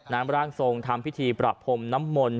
ร่างทรงทำพิธีประพรมน้ำมนต์